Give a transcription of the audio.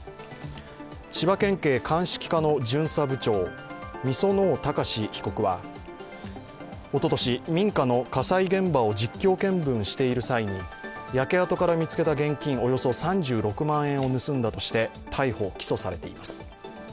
千葉県警・鑑識課の巡査部長、御園生貴史被告はおととし、民家の火災現場を実況見分している際に焼け跡から見つけた現金およそ３６万円を盗んだとして逮捕・起訴されています。